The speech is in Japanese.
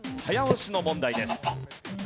早押しの問題です。